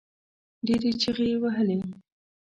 ډېرې چيغې يې وهلې.